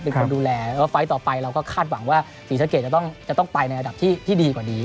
เป็นคนดูแลแล้วไฟล์ต่อไปเราก็คาดหวังว่าศรีสะเกดจะต้องไปในระดับที่ดีกว่านี้